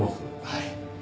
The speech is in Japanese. はい。